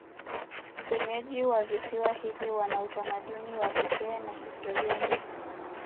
Wenyeji wa visiwa hivi wana utamaduni wa pekee na historia ndefu.